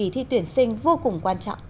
kỳ thi tuyển sinh vô cùng quan trọng